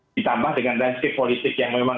ditambah dengan resip politik yang memang